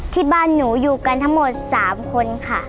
ที่บ้านหนูอยู่กันทั้งหมด๓คนค่ะ